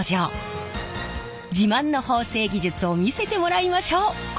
自慢の縫製技術を見せてもらいましょう。